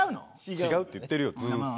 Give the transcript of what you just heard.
違うって言ってるよずっと。